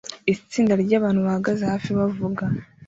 Itsinda ryabantu bahagaze hafi bavuga